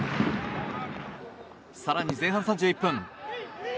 更に前半３１分。